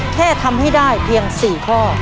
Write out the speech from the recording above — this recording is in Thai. แค่ทำให้ได้เพียง๔ข้อ